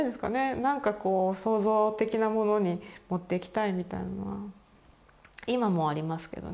なんかこう創造的なものに持っていきたいみたいなのは今もありますけどね。